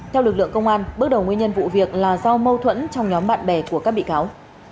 theo lực lượng công an bước đầu nguyên nhân vụ việc là do mâu thuẫn trong nhóm bạn bè của các bị cáo